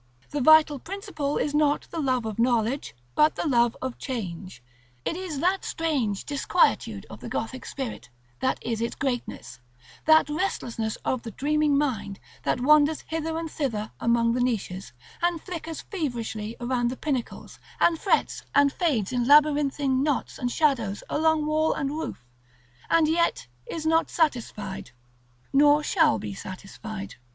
The vital principle is not the love of Knowledge, but the love of Change. It is that strange disquietude of the Gothic spirit that is its greatness; that restlessness of the dreaming mind, that wanders hither and thither among the niches, and flickers feverishly around the pinnacles, and frets and fades in labyrinthine knots and shadows along wall and roof, and yet is not satisfied, nor shall be satisfied.